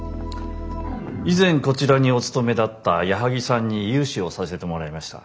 以前こちらにお勤めだった矢作さんに融資をさせてもらいました。